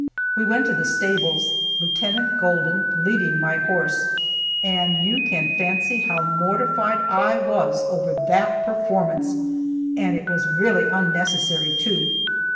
We went on to the stables, Lieutenant Golden leading my horse, and you can fancy how mortified I was over that performance, and it was really unnecessary, too.